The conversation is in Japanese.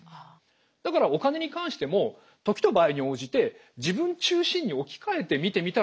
だからお金に関しても時と場合に応じて自分中心に置き換えて見てみたらどうなんじゃないかなと。